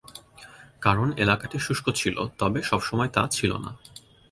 কারণ এলাকাটি শুষ্ক ছিল তবে সবসময় তা ছিল না।